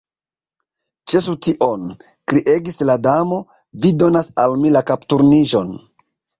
"Ĉesu tion," kriegis la Damo, "vi donas al mi la kapturniĝon!"